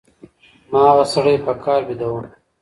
ما هغه سړی په قهر بېداوه.